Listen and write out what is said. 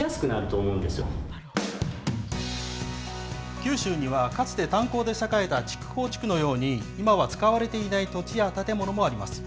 九州にはかつて、炭鉱で栄えた筑豊地区のように、今は使われていない土地や建物もあります。